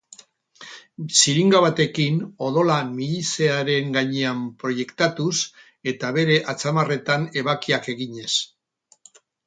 Xiringa batekin odola mihisearen gainean proiektatuz eta bere atzamarretan ebakiak eginez.